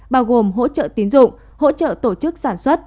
bao gồm hỗ trợ tín dụng hỗ trợ tổ chức sản xuất